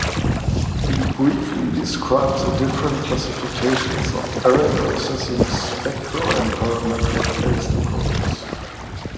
We briefly describe the different classifications of array processing, spectral and parametric based approaches.